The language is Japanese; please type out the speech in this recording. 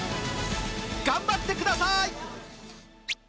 頑張ってください。